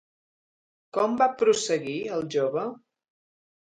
Com va prosseguir el jove?